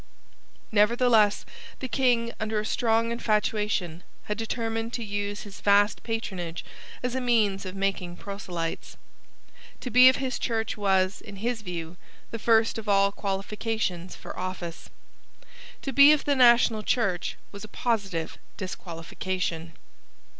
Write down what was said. Nevertheless the King, under a strong infatuation, had determined to use his vast patronage as a means of making proselytes. To be of his Church was, in his view, the first of all qualifications for office. To be of the national Church was a positive disqualification.